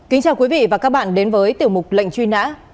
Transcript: kính chào quý vị và các bạn đến với tiểu mục lệnh truy nã